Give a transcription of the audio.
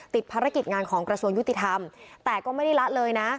ติดภารกิจงานของกระทรวงยุติธรรมแต่ก็ไม่ได้ละเลยนะ